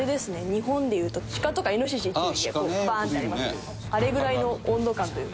日本で言うとシカとかイノシシこうバーンってありますけどもあれぐらいの温度感というか。